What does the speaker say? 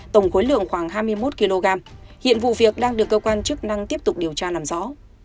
tổng khối lượng khoảng hai mươi một kg hiện vụ việc đang được cơ quan chức năng tiếp tục điều tra làm rõ